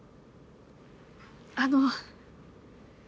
あの。